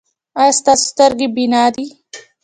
ایا ستاسو سترګې بینا دي؟